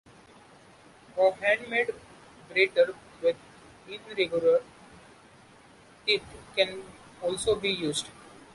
A hand-made grater with irregular teeth can also be used.